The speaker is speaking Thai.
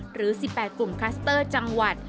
หรือ๑๘กลุ่มคลัสเตอร์จังหวัด